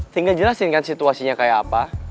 sehingga jelasin kan situasinya kayak apa